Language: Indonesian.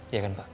iya kan pak